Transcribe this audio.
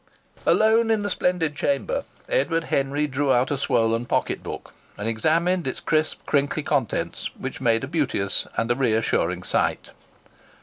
Alone in the splendid chamber Edward Henry drew out a swollen pocket book and examined its crisp, crinkly contents, which made a beauteous and a reassuring sight.